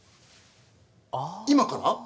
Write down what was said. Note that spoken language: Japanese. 「今から？